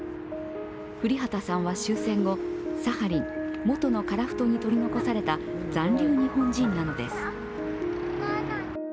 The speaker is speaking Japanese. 降旗さんは終戦後、サハリン、元の樺太に取り残された残留日本人なのです。